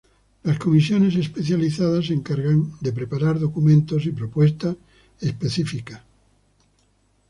Las Comisiones Especializadas se encargan de preparar documentos y propuestas específicas.